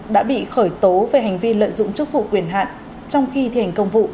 đã bị khởi tố về hành vi lợi dụng chức vụ quyền hạn trong khi thi hành công vụ